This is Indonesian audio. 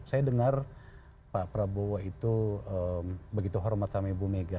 saya dengar pak prabowo itu begitu hormat sama ibu mega